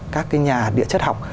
các cái nhà địa chất học